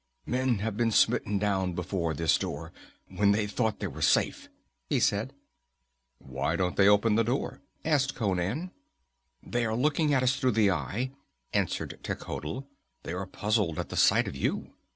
"Men have been smitten down before this door, when they thought they were safe," he said. "Why don't they open the door?" asked Conan. "They are looking at us through the Eye," answered Techotl. "They are puzzled at the sight of you."